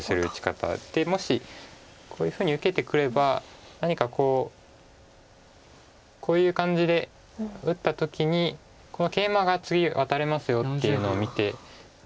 もしこういうふうに受けてくれば何かこうこういう感じで打った時にこのケイマが次ワタれますよっていうのを見て。